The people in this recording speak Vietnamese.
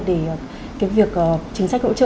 để cái việc chính sách hỗ trợ